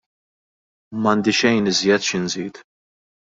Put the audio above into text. M'għandi xejn iżjed xi nżid.